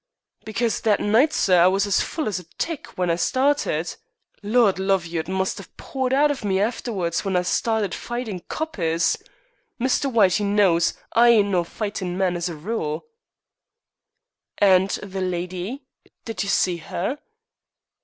"Because that night, sir, I were as full as a tick when I started. Lord love you, it must 'ave poured out of me afterwards when I started fightin' coppers. Mr. White, 'e knows, I ain't no fightin' man as a rule." "And the lady? Did you see her?"